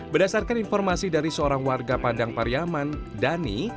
berdasarkan informasi dari seorang warga padang pariaman dhani